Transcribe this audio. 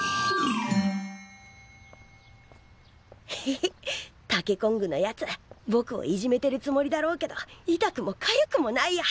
ヘヘヘッタケコングのやつぼくをいじめてるつもりだろうけど痛くもかゆくもないや。